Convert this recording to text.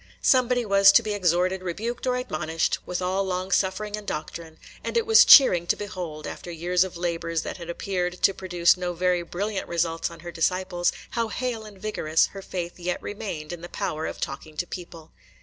Somebody was to be exhorted, rebuked, or admonished, with all long suffering and doctrine; and it was cheering to behold, after years of labors that had appeared to produce no very brilliant results on her disciples, how hale and vigorous her faith yet remained in the power of talking to people.